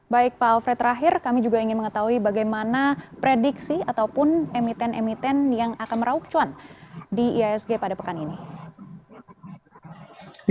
baik pak alfred terakhir kami juga ingin mengetahui bagaimana prediksi ataupun emiten emiten yang akan merauk cuan di ihsg pada pekan ini